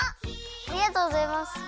ありがとうございます。